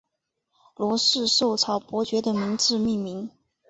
罗氏绶草伯爵的名字命名。